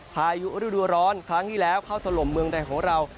พายุรื่ดดัวร้อนครั้งที่แล้วเข้าทะลมเมืองไทยของเรา